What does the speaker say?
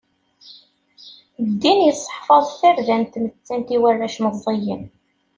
Ddin yesseḥfaḍen tarda n tmettant i warrac meẓẓiyen.